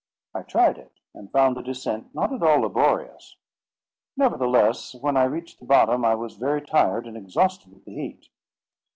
I tried it, and found the descent not at all laborious; nevertheless, when I reached the bottom, I was very tired and exhausted with the heat.